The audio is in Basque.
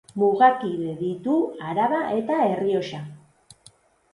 Mugakide ditu Araba eta Errioxa.